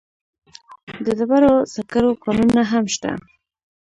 د ډبرو سکرو کانونه هم شته.